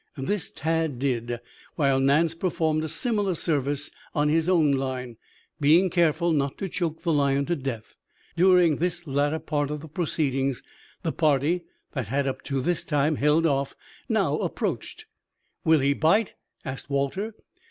This Tad did, while Nance performed a similar service on his own line, being careful not to choke the lion to death. During this latter part of the proceeding the party that had up to that time held off, now approached. "Will he bite?" asked Walter.